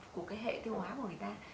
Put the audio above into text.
của cái hệ tiêu hóa của người ta